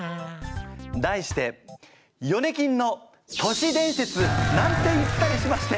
題して「ヨネキンの年伝説」なんて言ったりしまして。